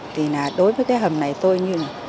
thì đối với cái hầm này tôi như là